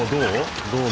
どう？